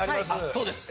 そうです。